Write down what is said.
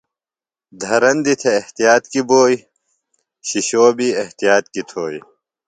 دھرندیۡ تھے احتیاط کیۡ بوئیۡ، شِشوۡ بیۡ احتیاط کیۡ تھوئیۡ